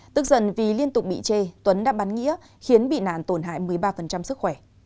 tức dần vì liên tục bị chê tuấn đã bắn nghĩa khiến bị nạn tổn hại một mươi ba sức khỏe